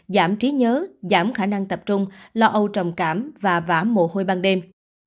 giảm trí nhớ giảm khả năng tập trung lo âu trầm cảm và vã mổ hôi ban đêm